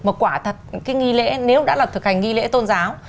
mà quả thật cái nghi lễ nếu đã là thực hành nghi lễ tôn giáo